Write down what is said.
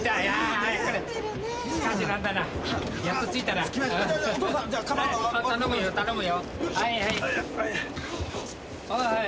はいはい。